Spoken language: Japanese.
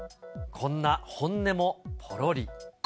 こんな本音もぽろり。